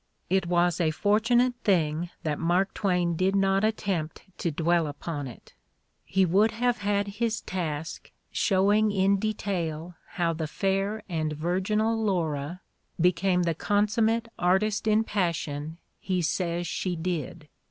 It was a fortunate 164 The Ordeal of Mark Twain thing that Mark Twain did not attempt to dwell upon it: he would have had his task showing in detail how the fair and virginal Laura became the "consummate artist in passion" he says she did!